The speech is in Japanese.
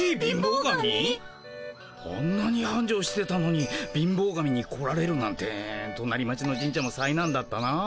あんなにはんじょうしてたのに貧乏神に来られるなんてとなり町の神社もさいなんだったなあ。